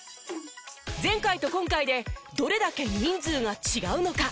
前回と今回でどれだけ人数が違うのか。